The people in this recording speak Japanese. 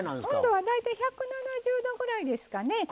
温度は大体１７０℃ぐらいですかね。